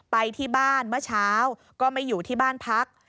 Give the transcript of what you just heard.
ไปที่บ้านเมื่อเช้าก็ไม่อยู่ที่บ้านพัก